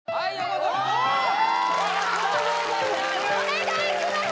これお願いします